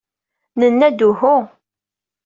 Nenna-d uhu.